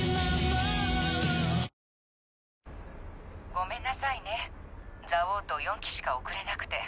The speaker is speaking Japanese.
ごめんなさいねザウォート４機しか送れなくて。